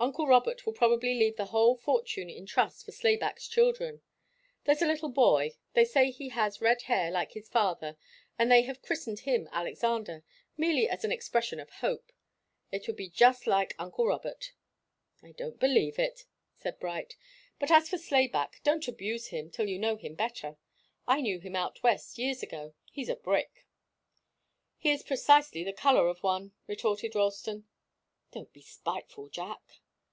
Uncle Robert will probably leave the whole fortune in trust for Slayback's children. There's a little boy. They say he has red hair, like his father, and they have christened him Alexander merely as an expression of hope. It would be just like uncle Robert." "I don't believe it," said Bright. "But as for Slayback, don't abuse him till you know him better. I knew him out West, years ago. He's a brick." "He is precisely the colour of one," retorted Ralston. "Don't be spiteful, Jack."